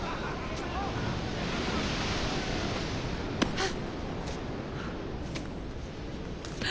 あっ！